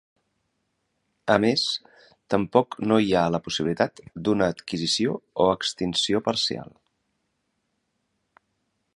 A més, tampoc no hi ha la possibilitat d'una adquisició o extinció parcial.